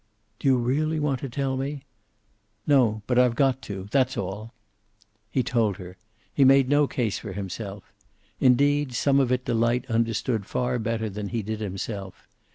"Do you really want to tell me?" "No. But I've got to. That's all." He told her. He made no case for himself. Indeed, some of it Delight understood far better than he did himself.